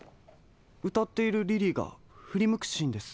うたっているリリーがふりむくシーンです。